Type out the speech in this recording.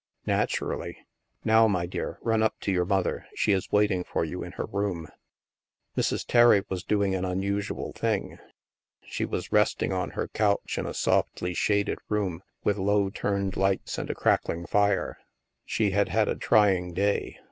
" Naturally. Now, my dear, run up to your mother. . She is waiting for you in her room." Mrs. Terry was doing an unusual thing ; she was resting on her couch in a softly shaded room with low turned lights and a crackling fire. She had had a trying day.